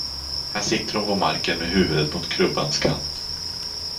Här sitter hon på marken med huvudet mot krubbans kant.